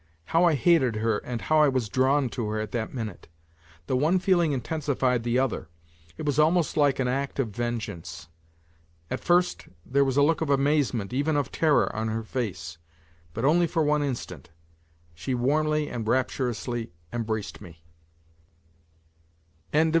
How I hated her and how I was drawn to her at that minute ! The one feeling intensified the other. It was almost like an act of vengeance. At first there was a look of amazement, even of terror on her face, but only for one instant. She warmly and rapturously embraced me.